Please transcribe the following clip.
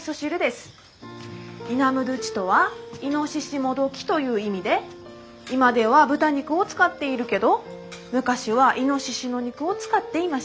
「イナムドゥチ」とは「イノシシもどき」という意味で今では豚肉を使っているけど昔はイノシシの肉を使っていました。